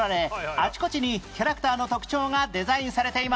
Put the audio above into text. あちこちにキャラクターの特徴がデザインされています